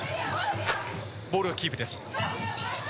ボールはキープです。